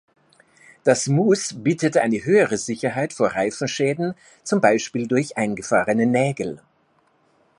Das Mousse bietet eine höhere Sicherheit vor Reifenschäden, zum Beispiel durch eingefahrene Nägel.